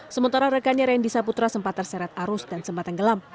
sementara rekannya rendy saputra sempat terseret arus dan sempatan gelap